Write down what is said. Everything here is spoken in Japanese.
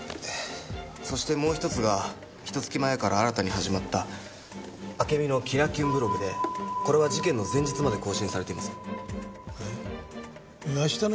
そしてもう１つがひと月前から新たに始まった「あけみのキラキュンブログ」でこれは事件の前日まで更新されています。